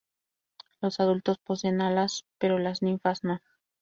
Los adultos poseen alas, pero las ninfas no.